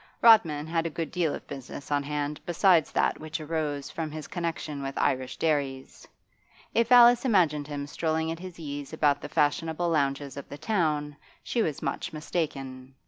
Rodman had a good deal of business on hand besides that which arose from his connection with Irish dairies. If Alice imagined him strolling at his ease about the fashionable lounges of the town, she was much mistaken.